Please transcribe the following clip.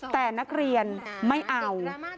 แต่นักเรียนไม่เอา